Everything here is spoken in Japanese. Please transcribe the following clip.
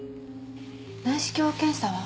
内視鏡検査は？